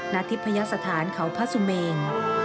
ณทิพยสถานเขาพระสุเมน